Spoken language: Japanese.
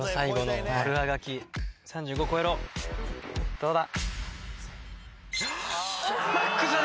どうだ？